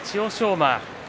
馬。